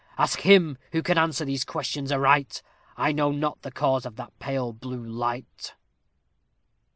Ask him who can answer these questions aright; I know not the cause of that pale blue light!